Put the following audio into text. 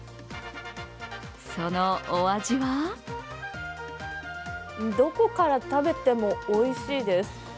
そのお味はどこから食べてもおいしいです。